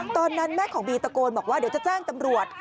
ตอนนั้นแม่ของบีตะโกนบอกว่าเดี๋ยวจะแจ้งตำรวจ